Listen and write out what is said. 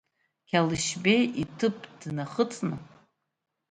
Қьалашьбеи иҭыԥ днахыҵны.